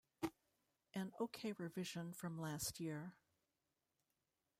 An okay revision from last year.